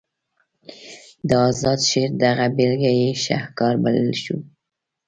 د اذاد شعر دغه بیلګه یې شهکار بللی شو.